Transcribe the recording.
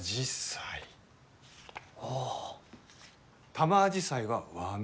タマアジサイは和名。